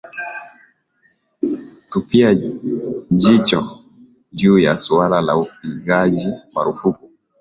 tupia jicho juu ya suala la upigaji marufuku